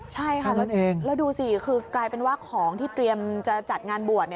ใช่ค่ะแล้วดูสิคือกลายเป็นว่าของที่เตรียมจะจัดงานบวช